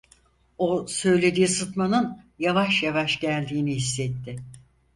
O söylediği sıtmanın yavaş yavaş geldiğini hissetti.